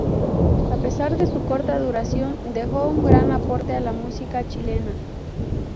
A pesar de su corta duración, dejó un gran aporte a la música chilena.